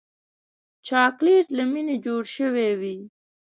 چاکلېټ له مینې جوړ شوی وي.